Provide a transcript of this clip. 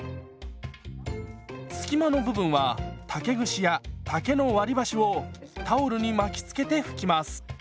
隙間の部分は竹串や竹の割り箸をタオルに巻きつけて拭きます。